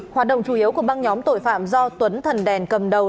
hoạt động chủ yếu của băng nhóm tội phạm do tuấn thần đèn cầm đầu